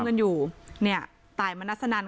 ขอบคุณพี่ที่ข่วยลูก